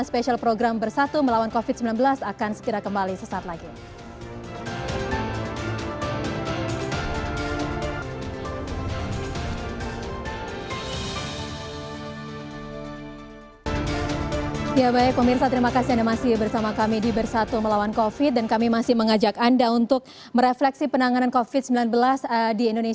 special program bersatu melawan covid sembilan belas